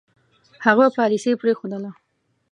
هغه پالیسي پرېښودله.